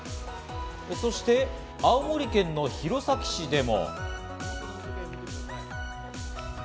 そして青森県の弘前市でも。